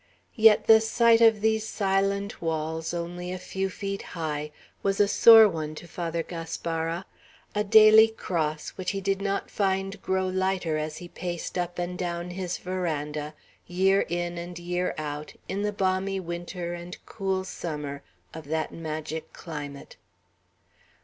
Yet the sight of these silent walls, only a few feet high, was a sore one to Father Gaspara, a daily cross, which he did not find grow lighter as he paced up and down his veranda, year in and year out, in the balmy winter and cool summer of that magic climate.